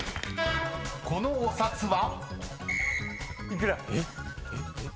［このお札は？］